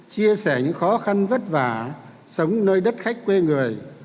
chia sẻ những khó khăn vất vả sống nơi đất khách quê người